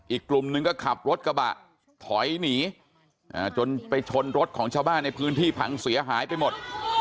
อีกกลุ่มนึงก็ขับรถกระบะถอยหนีจนไปชนรถของชาวบ้านในพื้นที่พังเสียหายไปหมด